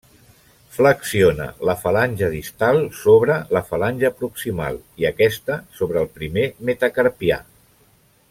Flexiona la falange distal sobre la falange proximal i aquesta sobre el primer metacarpià.